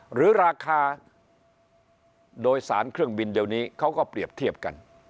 หรือราคาโดยสารเครื่องบินเดี๋ยวนี้เขาก็เปรียบเทียบกัน